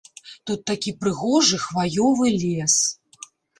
Тут такі прыгожы хваёвы лес.